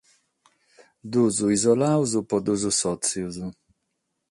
Duos isolados pro duos sòtzios.